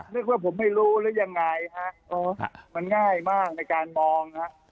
นึกว่าผมไม่รู้หรือยังไงฮะมันง่ายมากในการมองฮะ